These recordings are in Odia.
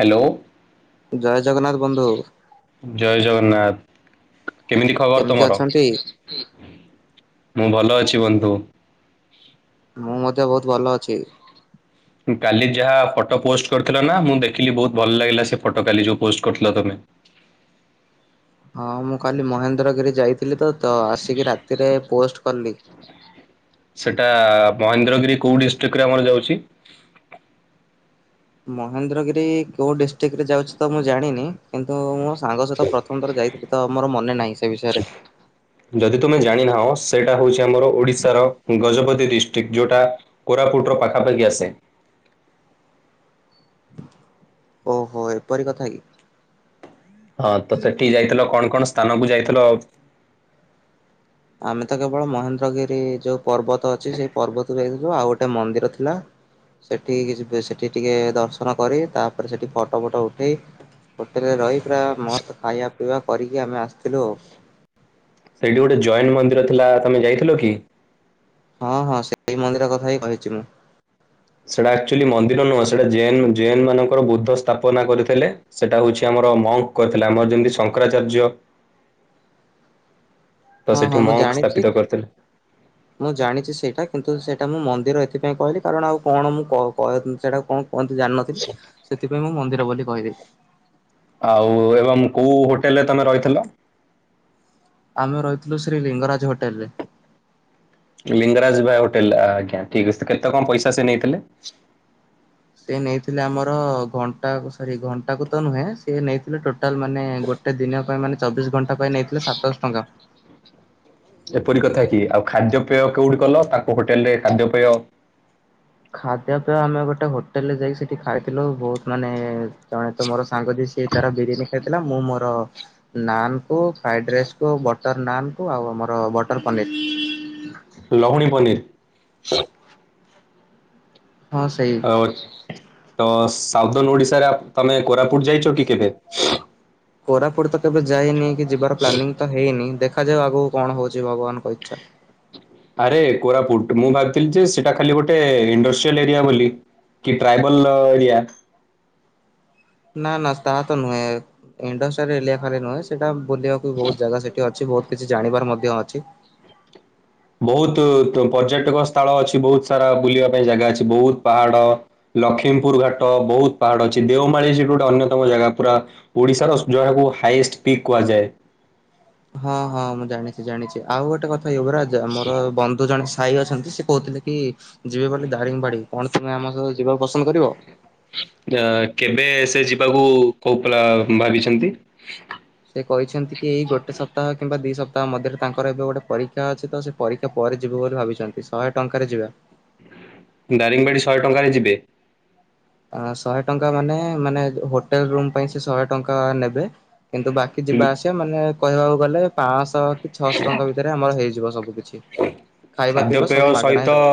ହ୍ୟାଲୋ। ଜୟ ଜଗନ୍ନାଥ ବନ୍ଧୁ। ଜୟ ଜଗନ୍ନାଥ, କେମିତି ଖବର ତମର? ମୁଁ ଭଲ ଅଛି ବନ୍ଧୁ। ମୁଁ ମଧ୍ୟ ବହୁତ ଭଲ ଅଛି ‌। କାଲି ଯାହା ଫଟୋ ପୋଷ୍ଟ କରିଥିଲ ନା, ମୁଁ ଦେଖିଲି ବହୁତ ଭଲ ଲାଗିଲା ସେ ଫଟୋ କାଲି ଯୋଉ ପୋଷ୍ଟ କରିଥିଲ ତମେ। ହଁ ମୁଁ କାଲି ମହେନ୍ଦ୍ରଗିରି ଯାଇଥିଲି ତ ତ ଆସିକି ରାତିରେ ପୋଷ୍ଟ କଲି। ସେଟା ମହେନ୍ଦ୍ରଗିରି କେଉଁ ଡିଷ୍ଟ୍ରିକ୍ଟରେ ଆମର ଯାଉଛି? ମହେନ୍ଦ୍ରଗିରି କୋଉଁ ଡିଷ୍ଟ୍ରିକ୍ଟ ରେ ଯାଉଛି ତ ମୁଁ ଜାଣିନି କିନ୍ତୁ ମୋ ସାଙ୍ଗ ସହିତ ପ୍ରଥମ ଥର ଯାଇଥିଲି ତ ମୋର ମନେ ନାହିଁ ସେ ବିଷୟରେ ଯଦି ତୁମେ ଜାଣିନାହଁ ସେଇଟା ହଉଛି ଆମର ଓଡିଶାର ଗଜପତି ଡିଷ୍ଟ୍ରିକ୍ଟ। ଯୋଉଟା କୋରାପୁଟର ପାଖାପାଖି ଆସେ। ଓହୋ, ଏପରି କଥା କି? ହଁ ତ ସେଠିକି ଯାଇଥିଲ କଣ କଣ ସ୍ଥାନକୁ ଯାଇଥିଲ? ଆମେ ତ କେବଳ ମହେନ୍ଦ୍ରଗିରି ଯୋଉ ପର୍ବତ ଅଛି ସେଇ ପର୍ବତକୁ ଯାଇଥିଲୁ। ଆଉ ଗୋଟେ ମନ୍ଦିର ଥିଲା। ସେଠି କି ଯିବେ। ସେଠି ଟିକେ ଦର୍ଶନ କରି ତାପରେ ସେଠି ଫଟ ଫଟ ଉଠେଇ ହୋଟେଲରେ ରହି ପୁରା ମସ୍ତ ଖାଇବା, ପିଇବା କରିକି ଆମେ ଆସିଥିଲୁ ଆଉ। ସେଇଠି ଗୋଟେ ଜୈନ ମନ୍ଦିର ଥିଲା। ତମେ ଯାଇଥିଲ କି? ହଁ, ହଁ ସେଇ ମନ୍ଦିର କଥା ହିଁ କହିଛି ମୁଁ। ସେଇଟା ଅକ୍ଚୁଆଲି ମନ୍ଦିର ନୁହଁ। ସେଟା ଜେନ୍ ଜେନ୍ ମାନଙ୍କର ବୁଦ୍ଧ ସ୍ଥାପନା କରିଥିଲେ। ସେଟା ହଉଛି ଆମର ମଙ୍କ ଥିଲା। ଆମର ଯେମିତି ଶଙ୍କରାଚାର୍ଯ୍ୟ ତ ହଁ ହଁ ସେଠି ମୁଁ ମଙ୍କ ଜାଣିଛି। ସ୍ଥାପିତ କରିଥିଲେ। ମୁଁ ଜାଣିଛି ସେଇଟା। କିନ୍ତୁ ସେଇଟା ମୁଁ ମନ୍ଦିର ଏଥିପାଇଁ କହିଲି କାରଣ ଆଉ କଣ ମୁଁ କ- କ ସେଇଟାକୁ କଣ କୁହନ୍ତି ଜାଣିନଥିଲି। ସେଥିପାଇଁ ମୁଁ ମନ୍ଦିର ବୋଲି କହିଦେଲି। ଆଉ ଏବଂ କୋଉ ହୋଟେଲରେ ତମେ ରହିଥିଲ? ଆମେ ରହିଥିଲୁ ଶ୍ରୀ ଲିଙ୍ଗରାଜ ହୋଟେଲ ରେ। ଲିଙ୍ଗରାଜ ବିହାର ହୋଟେଲରେ। ଆଜ୍ଞା, ଠିକ ଅଛି। କେତେ କଣ ପଇସା ସେ ନେଇଥିଲେ? ସେ ନେଇଥିଲେ ଆମର ଘଣ୍ଟା, ସରି ଘଣ୍ଟାକୁ ତ ନୁହେଁ ସେ ନେଇଥିଲେ ଟୋଟାଲ ମାନେ ଗୋଟେ ଗୋଟେ ଦିନ ପାଇଁ ମାନେ ଚବିଶ ଘଣ୍ଟା ପାଇଁ ନେଇଥିଲେ ସାତଶହ ଟଙ୍କା। ଏପରି କଥା କି? ଆଉ ଖାଦ୍ୟପେୟ କୋଉଠି କଲ? ତାଙ୍କ ହୋଟେଲ ରେ ଖାଦ୍ୟପେୟ ଖାଦ୍ୟପେୟ, ଆମେ ଗୋଟେ ହୋଟେଲରେ ଯାଇକି ସେଠି ଖାଇଥିଲୁ। ବହୁତ ମାନେ ଜଣେ ତ ମୋର ସାଙ୍ଗ ଯିଏ ସିଏ ତାର ବିରିୟାନୀ ଖାଇଥିଲା। ମୁଁ ମୋ ର ନାନ କୁ, ଫ୍ରାଇଡ ରାଇସ୍ କୁ, ବଟର ନାନ କୁ ଆଉ ଆମର ବଟର ପନିର। ଲହୁଣୀ ପନିର। ହଁ ସେଇ। ଅ ତ ସାଉଦର୍ନ ଓଡିଶାରେ ଆପ ତମେ କୋରାପୁଟ ଯାଇଛ କି କେବେ? କୋରାପୁଟ ତ କେବେ ଯାଇନି। କି ଯିବାର ପ୍ଲାନିଂ ତ ହେଇନି। ଦେଖାଯାଉ ଆଗକୁ କଣ ହଉଛି ଭଗବାନଙ୍କ ଇଚ୍ଛା। ଆରେ କୋରାପୁଟ, ମୁଁ ଭାବିଥିଲି ଯେ ସେଇଟା ଖାଲି ଗୋଟେ ଇଣ୍ଡଷ୍ଟ୍ରିଆଲ ଏରିଆ ବୋଲି। କି ଟ୍ରାଇବଲ ଅ ଏରିଆ। ନା ନା ତାହା ତ ନୁହେଁ। ଇଣ୍ଡଷ୍ଟ୍ରିଆଲ ଏଲିଆ ଖାଲି ନୁହେଁ। ସେଟା ବୁଲିବାକୁ ବହୁତ ଜାଗା ସେଠି ଅଛି। ବହୁତ କିଛି ଜାଣିବାର ମଧ୍ୟ ଅଛି। ବହୁତ ପ ପର୍ଯ୍ୟଟକ ସ୍ଥଳ ଅଛି। ବହୁତ ସାରା ବୁଲିବା ପାଇଁ ଜାଗା ଅଛି, ବହୁତ ପାହାଡ। ଲକ୍ଷ୍ମୀପୁର ଘାଟ, ବହୁତ ପାହାଡ ଅଛି। ଦେଓମାଳି ସେଠି ଗୋଟେ ଅନ୍ୟତମ ଜାଗା ପୁରା। ଓଡିଶାର ସ ଯହାକୁ ହାଇଏଷ୍ଟ ପିକ୍ କୁହାଯାଏ। ହଁ, ହଁ ମୁଁ ଜାଣିଛି, ଜାଣିଛି। ଆଉ ଗୋଟେ କଥା ୟୁବରାଜ ମୋର ବନ୍ଧୁ ଜଣେ ସେ ଭାଇ ଅଛନ୍ତି ସେ କହୁଥିଲେ କି ଯିବେ ବୋଲି ଦାରିଙ୍ଗବାଡ଼ି। କଣ ତମେ ଆମ ସହ ଯିବାକୁ ପସନ୍ଦ କରିବ? ଯେ କେବେ ସେ ଯିବାକୁ କୋଉ ପିଲା ଭାବିଛନ୍ତି? ସେ କହିଛନ୍ତି କି ଏଇ ଗୋଟେ ସପ୍ତାହ କିମ୍ବା ଦି ସପ୍ତାହ ମଧ୍ୟରେ। ତାଙ୍କର ଏବେ ଗୋଟେ ପରୀକ୍ଷା ଅଛି ତ ସେ ପରୀକ୍ଷା ପରେ ଯିବୁ ବୋଲି ଭାବିଛନ୍ତି। ଶହେ ଟଙ୍କାରେ ଯିବା। ଦାରିଙ୍ଗବାଡ଼ି ଶହେ ଟଙ୍କାରେ ଯିବେ? ଆ ଶହେ ଟଙ୍କା ମାନେ-ମାନେ ହୋଟେଲ ରୁମ୍ ପାଇଁ ସେ ଶହେ ଟଙ୍କା ନେବେ। କିନ୍ତୁ ବାକି କି ଉଁ, ଯିବା ଆସିବା ମାନେ କହିବାକୁ ଗଲେ ପାଞ୍ଚଶହ କି ଛଅଶହ ଟଙ୍କା ଭିତରେ ଆମର ହେଇଯିବ ସବୁ କି। ଖାଦ୍ୟପେୟ ହିଁ ସହିତ ରହିବ।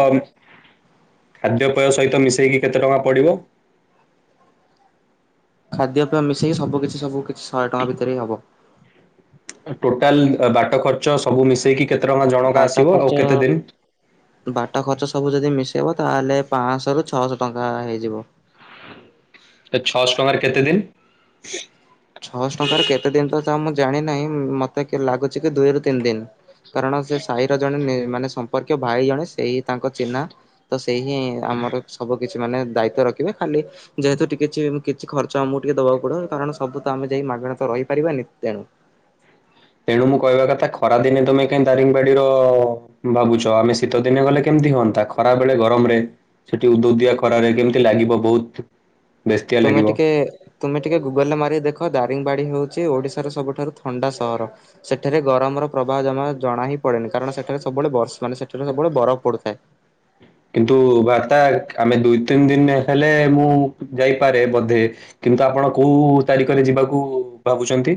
ଖାଦ୍ୟପେୟ ସହିତ ମିଶେଇକି କେତେ ଟଙ୍କା ପଡ଼ିବ? ଖାଦ୍ୟପେୟ ମିଶେଇକି ସବୁ କିଛି, ସବୁ କିଛି ଶହେ ଟଙ୍କା ଭିତରେ ହି ହବ। ଟୋଟାଲ ବାଟ ଖର୍ଚ୍ଚ ସବୁ ମିଶେଇକି କେତେ ଟଙ୍କା ଜଣକା ବାଟ ଆସିବ ଖର୍ଚ୍ଚ ଆଉ କେତେ ଦିନ୍ ବାଟ ଖର୍ଚ୍ଚ ସବୁ ଯଦି ମିଶେଇବ ତାହେଲେ ପାଶହ ରୁ ଛଅଶହ ଟଙ୍କା ହେଇଯିବ। ଛଅଶହ ଟଙ୍କାରେ କେତେ ଦିନ୍? ଛଅଶହ ଟଙ୍କା ର କେତେ ଦିନ୍ ତ ଚା ମୁଁ ଜାଣିନାହିଁ ମୋତେ ଲାଗୁଛି କି ଦୁଇରୁୁ ତିନି ଦିନ୍। କାରଣ ସେ ସାହିର ଜଣେ ମାନେ ସମ୍ପର୍କୀୟ ଭାଇ ଜଣେ ସେଇ ତାଙ୍କ ଚିହ୍ନା। ତ ସେଇ ହିଁ ଆମର ସବୁ କିଛି ମାନେ ଦାୟିତ୍ଵ ରଖିବେ ଖାଲି ଯେହେତୁ ଟିକେ କିଛି ଖର୍ଚ୍ଚ ଆମକୁ ଟିକେ ଦବାକୁ ପଡିବ କାରଣ ସବୁ ତ ଆମେ ଯାଇ ମାଗଣ ତ ରହିପାରିବାନି ତେଣୁ ତେଣୁ ମୁଁ କହିବା କଥା ଖରା ଦିନେ ତମେ କାଇହି ଦାରିଙ୍ଗବାଡିର ଭାବୁଚ ଆମେ ଶୀତ ଦିନେ ଗଲେ କେମିତି ହୁଅନ୍ତା ଖରା ବେଳେ ଗରମ ରେ। ସେଠି ଉଦୁ ଉଦିଆ ଖରାରେ କେମିତି ଲାଗିବ ବହୁତ୍। ତୁମେ ଟିକେ ତୁମେ ଟିକେ ଗୁଗଲ୍ ରେ ମାରି ଦେଖ ଦାରିଙ୍ଗବାଡି ହଉଚି ଓଡିଶାର ସବୁଠାରୁ ଥଣ୍ଡା ସହର। ସେଠାରେ ଗରମର ପ୍ରଭାବ ଜମା ଜଣା ହିଁ ପଡେନି କାରଣ ସେଠାରେ ସବୁବେଳେ ବର୍ଷ ମାନେ ସେଠାରେ ସବୁବେଳେ ବରଫ ପଡୁଥାଏ। କିନ୍ତୁ ଭାତା ଆମେ ଦୁଇ ତିନି ଦିନ୍ ହେଲେ ମୁଁ ଯାଇପାରେ ବୋଧେ। କିନ୍ତୁ ଆପଣ କୋଉ ତାରିଖରେ ଯିବାକୁ ଭାବୁଚନ୍ତି?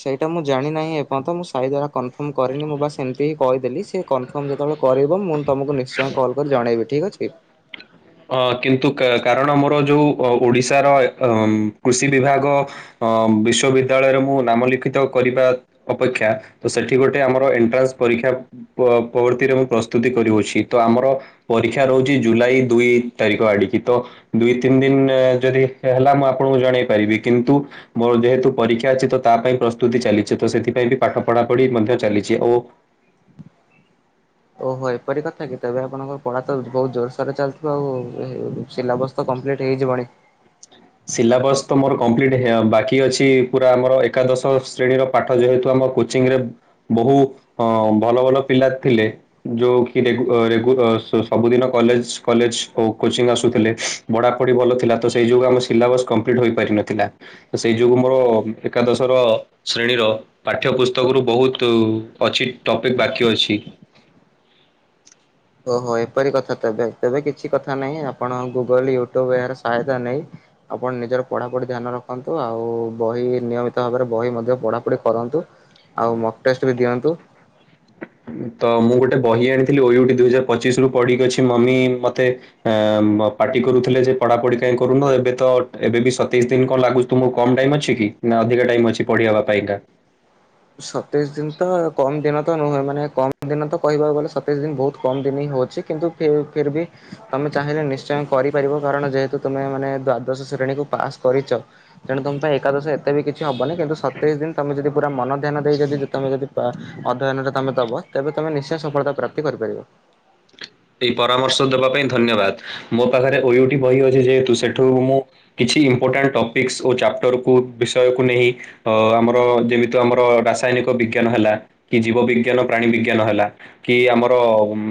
ସେଇଟା ମୁଁ ଜାଣିନାହିଁ ଏପର୍ଯ୍ୟନ୍ତ ମୁଁ ସାହିଘର କନଫର୍ମ କରିନି ମୁଁ ବାସ୍ ଏମିତି ହି କହିଦେଲି ସେକନ୍ ତମେ ଯେତେବେଳେ କରିବ ମୁଁ ତମକୁ ନିଶ୍ଚୟ କଲ୍ କରିକି ଜଣେଇବି ଠିକ୍ ଅଛି। ଅ କିନ୍ତୁ କାରଣ ମୋର ଯୋଉ ଓଡିଶାର କୃଷି ବିଭାଗ। ଅ ବିଶ୍ଵବିଦ୍ୟାଳୟରେ ମୁଁ ନାମ ଲିଖିତ କରିବା। ଅପେକ୍ଷା ତ ସେଠି ଗୋଟେ ଆମର ଏଣ୍ଟ୍ରାନ୍ସ ପରୀକ୍ଷା ପ୍ରବର୍ତ୍ତିରେ ମୁଁ ପ୍ରସ୍ତୁତି କରିଚି ତ ଆମର ପରୀକ୍ଷା ରହୁଚି ଜୁଲାଇ ଦୁଇ ତାରିଖ ଆଡ଼ିକି ତ ଦୁଇ ତିନି ଦିନ ଯଦି ହେଲା ମୁଁ ଆପଣଙ୍କୁ ଜଣେଇ ପାରିବି କିନ୍ତୁ ମୋ ଯେହେତୁ ପରୀକ୍ଷା ଅଛି ତ ତା ପାଇଁ ପ୍ରସ୍ତୁତି ଚାଲିଚି ତ ସେଥିପାଇଁ ବି ପାଠ ପଢାପଢି ମଧ୍ୟ ଚାଲିଛି ଓ ଓହୋ ଏପରି କଥା କି ତେବେ ଆପଣଙ୍କ ପଢା ତ ବହୁତ୍ ଜୋରସୋରରେ ଚାଲିଥିବ ଆଉ ସିଲାବସ ତ କମ୍ପ୍ଲିଟ୍ ହେଇଯିବଣି। ସିଲାବସ୍ ତ ମୋର କମ୍ପ୍ଲିଟ୍ ହେ ବାକି ଅଛି ପୁରା ଆମର ଏକାଦଶ ଶ୍ରେଣୀର ପାଠ ଯେହେତୁ ଆମ କୋଚିଂରେ ବହୁ ଭଲ ଭଲ ପିଲା ଥିଲେ। ଯୋଉ କିରେ ସବୁଦିନ କଲେଜ କଲେଜ କୋଚିଂ ଆସୁଥିଲେ। ପଢ଼ାପଢି ଭଲ ଥିଲା ତ ସେଇ ଯୋଗୁଁ ଆମ ସିଲାଇବୋସ୍ କମ୍ପ୍ଲିଟ୍ ହୋଇପାରିିନଥିଲା। ସେଇ ଯୋଗୁ ମୋର ଏକାଦଶ ର ଶ୍ରେଣୀର ପାଠ୍ୟ ପୁସ୍ତକରୁ ବହୁତୁ ଅଛି ଟପିକ୍ ବାକି ଅଛି। ଓହୋ ଏପରି କଥା ତେବେ ତେବେ କିଛି କଥା ନାହିଁ ଆପଣ ଗୁଗଲ ୟୁଟ୍ୟୁବ୍ ଏହାର ସହାୟତା ନେଇ ଆପଣ ନିଜର ପଢ଼ାପଢି ଧ୍ୟାନ ରଖନ୍ତୁ ଆଉ ବହି ନିୟମିତ ଭାବରେ ବହି ମଧ୍ୟ ପଢ଼ାପଢ଼ି କରନ୍ତୁ। ଆଉ ମଟେଷ୍ଟ୍ ବି ଦିଅନ୍ତୁ। ତ ମୁଁ ଗୋଟେ ବହି ଆଣିଥିଲି [unintelligible] ଦୁଇ ହଜାର ପଚିଶ ରୁ ପଡିକି ଅଛି ମମି ମତେ ଆ ପାଟି କରୁଥିଲେ ଯେ ପଢାପଢି କାହିଁ କରୁନ ଏବେ ତ ଏବେ ବି ସତେଇଶ ଦିନ କଣ ଲାଗୁ ତୁମକୁ କମ୍ ଟାଇମ୍ ଅଛି କି ନାଁ ଅଧିକା ଟାଇମ୍ ଅଛି ପଢେଇବା ପାଇଁ କା। ସତେଇଶ୍ ଦିନି ତ କମ୍ ଦିନ ତ ନୁହେଁ ମାନେ କମ୍ ଦିନ ତ କହିବାକୁ ଗଲେ ସତେଇଶ୍ ଦିନ ବହୁତ୍ କମ୍ ଦିନ୍ ହିଁ ହଉଚି। କିନ୍ତୁ ଫେ ଫେର୍ ବି। ତମେ ଚାହିଁଲେ ନିଶ୍ଚୟ କରିପାରିବ କାରଣ ଯେହେତୁ ତମେ ମାନେ ଦ୍ଵାଦଶ ଶ୍ରେଣୀକୁୁ ପାସ୍ କରିଚ। ତେଣୁ ତମ ପାଇଁ ଏକାଦଶ ଏତେ ବି କିଛି ହବନି କିନ୍ତୁ ସତେଇଶ ଦିନ ତମେ ଯଦି ପୁରା ମନ ଧ୍ୟାନ ଦେଇକି ଯଦି ଯୁକ୍ତ ତମେ ଯଦି ଅଧ୍ୟୟନ ତମେ ଦବ ତେବେ ତମେ ନିଶ୍ଚୟ ସଫଳତା ପ୍ରାପ୍ତି କରିପାରିବ। ଏଇ ପରାମର୍ଶ ଦେବା ପାଇଁ ଧନ୍ୟବାଦ। ମୋ ପାଖରେ ଓଇଓଡି ବହି ଅଛି ଯେହେତୁ ସେଠୁ ମୁଁ କିଛି ଇମ୍ପୋର୍ଟାଣ୍ଟ ଟପିକ୍ସ୍ ଓ ଚାପ୍ଟରକୁ ବିଷୟକୁ ନେଇ ଅ ଆମର ଯେମିତି ଆମର ରାସାୟନିକ ବିଜ୍ଞାନ ହେଲା କି ଜୀବ ବିଜ୍ଞାନ ପ୍ରାଣୀ ବିଜ୍ଞାନ ହେଲା। କି ଆମର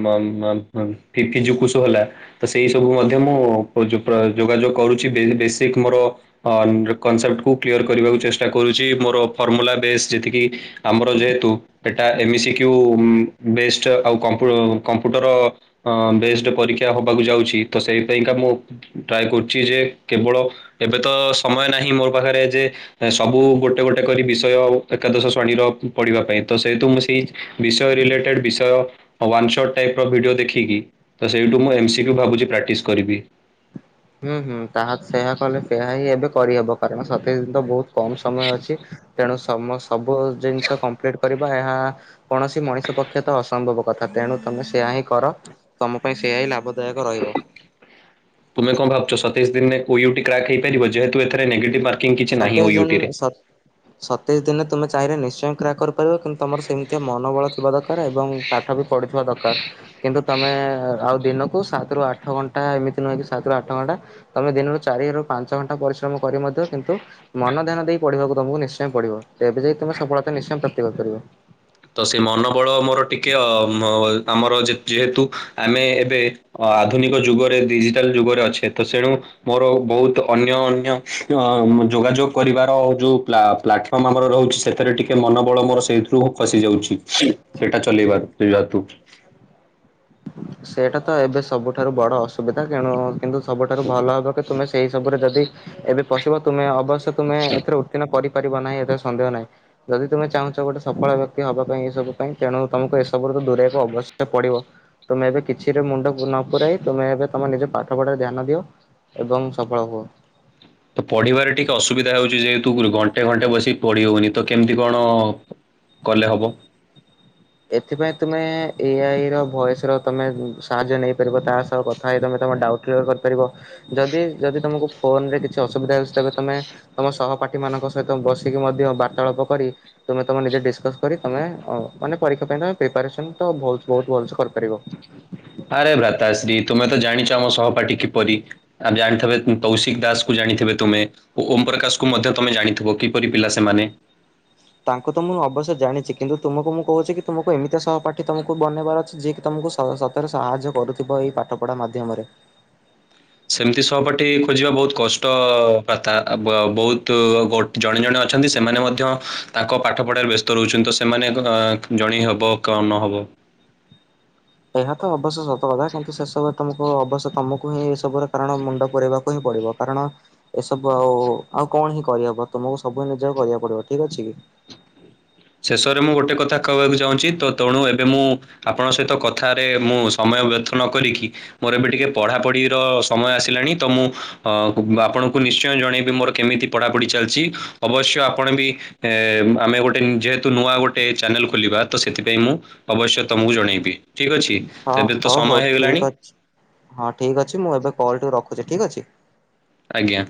ମ ମ ମ ପିଜୁକୁସୁ ହେଲା। ତ ସେଇ ସବୁ ମଧ୍ୟ ମୁଁ ଉପଯୁ ଯୋଗାଯୋଗ କରୁଚି ବେସିକ ମୋର ହଁ କନସେପ୍ଟ କୁ କ୍ଲିୟର କରିବାକୁ ଚେଷ୍ଟା କରୁଚି ମୋର ଫର୍ମୁଲା ବେଶ ଯେତିକି ଆମର ଯେହେତୁ ଏଟା ଏମିସି କ୍ୟୁ ବେଷ୍ଟ ଆଉ କମ୍ପୁ କମ୍ପୁଟର ଅ ବେଷ୍ଟ ପରୀକ୍ଷା ହବାକୁ ଯାଉଚି ତ ସେଇଥି ପାଇଁକା ମୁଁ ଟ୍ରାଏ କରୁଚି ଯେ କେବଳ ଏବେ ତ ସମୟ ନାହିଁ ମୋର ପାଖରେ ଯେ ସବୁ ଗୋଟେ ଗୋଟେ କରି ବିଷୟ ଏକାଦଶ ଶ୍ରେଣୀର ପଢିବା ପାଇଁ ତ ସେହେତୁ ମୁଁ ସେ ବିଷୟ ରିଲେଟେଡ୍ ବିଷୟ ୱାନ୍ ଶଟ୍ ଟାଇପ ର ଭିଡିଓ ଦେଖି ଠି କି ତ ସେଇଠୁ ମୁଁ ଏମସି କ୍ୟୁ ଭାବୁଚି ପ୍ରାକ୍ଟିସ କରିବି। ହୁଁ ହୁଁ ତାହା ସେୟା କଲେ ସେୟା ହିଁ ଏବେ କରିହେବ କାରଣ ସତେଇଶି ତ ବହୁତ କମ ସମୟ ଅଛି। ତେଣୁ ସମ ସବୁ ଜିନିଷ କମ୍ପ୍ଲିଟ କରି ବା ଏହା କୌଣସି ମଣିଷ ପକ୍ଷେ ତ ଅସମ୍ଭବ କଥା ତେଣୁ ତମେ ସେୟା ହିଁ କର। ତମ ପାଇଁ ସେୟା ହିଁ ଲାଭଦାୟକ ରହିବ। ତମେ କଁ ଭାବୁଚ ସତେଇଶି ଦିନରେ ଓ ୟୁ ଟି କ୍ରାକ ହେଇପାରିବ ଯେହେତୁ ଏଥିରେ ନେଗେଟିଭ ମାର୍କ କିଛି ନାହିଁ ଓ ୟୁ ଟି ରେ। ସତେଇଶି ଦିନେ ତୁମେ ଚାହିଁଲେ ନିଶ୍ଚୟ କ୍ରାକ କରିପାରିବ କିନ୍ତୁ ତମର ସେମିତିଆ ମନୋବଳ ଥିବା ଦରକାର ଏବଂ ପାଠ ବି ପଢିଥିବା ଦରକାର। କିନ୍ତୁ ତମେ ଆଉ ଦିନକୁ ସାତରୁ ଆଠ ଘଣ୍ଟା ଏମିତି ନୁହେଁ କି ସାତରୁ ଆଠ ଘଣ୍ଟା ତମେ ଦିନରୁ ଚାରି ରୁ ପାଞ୍ଚ ଘଣ୍ଟା ପରିଶ୍ରମ କରି ମଧ୍ୟ କି କିନ୍ତୁ ମନ ଧ୍ୟାନ ଦେଇ ପଢିବାକୁ ତମକୁ ନିଶ୍ଚୟ ପଢିବ ତେବେ ଯାଇ ତୁମେ ସଫଳତା ନିଶ୍ଚୟ ପ୍ରାପ୍ତି କରି ପାରିବ। ତ ସେ ମନୋବଳ ମୋର ଟିକେ ଅ ଆମର ଯେହେତୁ ଆମେ ଏବେ ଅ ଆଧୁନିକ ଯୁଗରେ ଡିଜିଟାଲ ଯୁଗରେ ଅଛେ ତ ତେଣୁ। ମୋର ବହୁତ ଅନ୍ୟ ଅନ୍ୟ ଅ ଯୋଗାଯୋଗ କରିବାର ଯୋଉ ପ୍ଲା ପ୍ଲାଟ୍ ଆମର ରହୁଚି ସେଥିରେ ଟିକେ ମନ ବଳ ମୋର ସେଇଥିରୁ ଖସି ଯାଉଚି ସେଇଟା ଚଲେଇବାର ସେ ଜାତୁ ସେଇଟା ତ ଏବେ ସବୁଠାରୁ ବଡ ଅସୁବିଧା ତେଣୁ କିନ୍ତୁ ସବୁଠାରୁ ଭଲ ହବ କି ତୁମେ ସେଇ ସବୁରେ ଯଦି ଏବେ ପଶିବ ତୁମେ ଅବଶ୍ୟ ତୁମେ ଏଥିରେ ଉତ୍ତୀର୍ଣ କରିପାରିବ ନାହିଁ ଏଥିରେ ସନ୍ଦେହ ନାହିଁ। ଯଦି ତୁମେ ଚାହୁଁଚ ଗୋଟେ ସଫଳ ବ୍ୟକ୍ତି ହବା ପାଇଁ ଏସବୁ ପାଇଁ ତେଣୁ ତୁମକୁ ଏସବୁରୁ ଦୂରେଇବାକୁ ଅବଶ୍ୟ ପଡିବ। ତୁମେ ଏବେ କିଛିରେ ମୁଣ୍ଡ ନ ପୁରାଇ ତୁମେ ଏବେ ତମେ ନିଜ ପାଠ ପଢାରେ ଧ୍ୟାନ ଦିଅ ଏବଂ ସଫଳ ହୁଅ। ତ ପଢିବାରେ ଟିକେ ଅସୁବିଧା ହେଉଚି ଯେହେତୁ ଘଣ୍ଟେ ଘଣ୍ଟେ ବସିିକି ପଢି ହଉନି ତ କେମିତି କଣ କଲେ ହବ। ଏଥିପାଇଁ ତୁମେ ଏ ଆଇ ର ଭୟସ ର ତମେ ସାହାଯ୍ୟ ନେଇପାରିବ ତା ସହ କ ଭାଇ ତମେ ତମ ଡାଉଟ୍ କ୍ଲିୟର କରିପାରିବ ଯଦି ଯଦି ତମକୁ ଫୋନ ରେ କିଛି ଅସୁବିଧା ହେଉଚି ତେବେ ତମେ ତମ ସହପାଠୀ ମାନଙ୍କ ସହିତ ବସିକି ମଧ୍ୟ ବାର୍ତ୍ତାଳାପ କରି ତୁମେ ତମେ ନିଜେ ଡିସ୍କସ୍ କରି ତମେ ଅ ମାନେ ପରୀକ୍ଷା ପାଇଁ ତମେ ପ୍ରିପାରେସନ ତ ବହୁ ବହୁତ ଭଲସ କରିପାରିବ। [unintelligible] ଆରେ ଭ୍ରାତାଶ୍ରୀ ତୁମେ ତ ଜାଣିଚ ମୋ ସହପାଠୀ କିପରି? ଆଉ ଜାଣିଥିବେ ତୌଶିକ ଦାସ କୁ ଜାଣିଥିବେ ତମେ ଓମ୍ ପ୍ରକାଶକୁ ମଧ୍ୟ ତମେ ଜାଣିଥିବ କିପରି ପିଲା ସେମାନେ? ତାଙ୍କୁ ତ ମୁଁ ଅବଶ୍ୟ ଜାଣିଚି କିନ୍ତୁ ତୁମକୁ ମୁଁ କହୁଚି କି ତୁମକୁ ଏମିତିଆ ସହ ପାଠି ତମକୁ ବନେଇବାର ଅଛି ଯିଏ କିି ତମକୁ ସ ସତରେ ସାହାଯ୍ୟ କରୁଥିବ ଏଇ ପାଠ ପଢା ମାଧ୍ୟମରେ। ସେମିତି ସହପାଠୀ ଖୋଜିବା ବହୁତ୍ କଷ୍ଟ ପ୍ରଥା ବହୁତ୍ ଗୋ ଜଣେ ଜଣେ ଅଛନ୍ତି ସେମାନେ ମଧ୍ୟ ତାଙ୍କ ପାଠ ପଢ଼ାରେ ବ୍ୟସ୍ତ ରହୁଛନ୍ତି ତ ସେମାନେ ଅଁ ଜଣେଇ ହବ କଣ ନ ହବ ଏହା ତ ଅବଶ୍ୟ ସତ କଥା କିନ୍ତୁ ସେ ସବ ତମକୁ ଅବଶ୍ୟ ତମକୁ ହିଁ ଏସବୁର କାରଣ ମୁଣ୍ଡ ପୁରେଇବାକୁ ହିଁ ପଡିବ। କାରଣ ଏସବୁ ଆଉ ଆଉ କଣ ହିଁ କରିହବ ତୁମକୁ ସବୁ ନିଜ କରିବାକୁ ପଡିବ ଠିକ୍ ଅଛି କି ଶେଷରେ ମୁଁ ଗୋଟେ କଥା କହିବାକୁ ଚାହୁଁଛି ତ ତଣୁ ଏବେ ମୁଁ ଆପଣଙ୍କ ସହିତ କଥାରେ ମୁଁ ସମୟ ବ୍ୟର୍ଥ ନ କରିକି ମୋର ଏବେ ଟିକେ ପଢା ପଢିର ସମୟ ଆସିଲାଣି ତ ମୁଁ ଅ ଆପଣଙ୍କୁ ନି ଶ୍ଚୟ ଜଣେଇବି ମୋର କେମିତି ପଢାପଢି ଚାଲିଛି ଅବଶ୍ୟ ଆପଣ ବି ଏଁ ଆମେ ଗୋ ଯେହେତୁ ନୂଆ ଗୋଟେ ଚ୍ୟାନେଲ୍ ଖୋଲିବା ତ ସେଥିପାଇଁ ମୁଁ ଅବଶ୍ୟ ତମକୁ ଜଣେଇବି। ଠିକ୍ ଅଛି ହଁ ତେବେ ତ ହଉ ସମୟ ହଉ ଠିକ ହେଇଗଲାଣି ଅଛି ହଁ ଠିକ୍ ଅଛି ମୁଁ ଏବେ କଲ୍ ଟି ରଖୁଛି ଠିକ୍ ଅଛି ଆଜ୍ଞା।